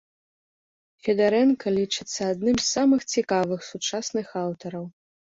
Федарэнка лічыцца адным з самых цікавых сучасных аўтараў.